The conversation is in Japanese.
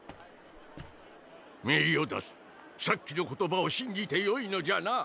メリオダスさっきの言葉を信じてよいのじゃな？